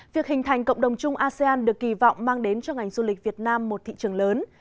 việc hình thành cộng đồng chung asean được kỳ vọng mang đến cho ngành du lịch việt nam một thị trường lớn